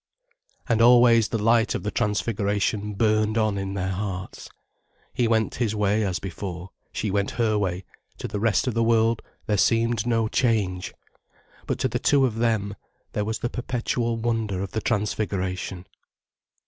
And always the light of the transfiguration burned on in their hearts. He went his way, as before, she went her way, to the rest of the world there seemed no change. But to the two of them, there was the perpetual wonder of the transfiguration.